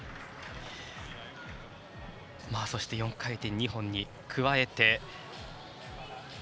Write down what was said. そして、４回転２本に加えて。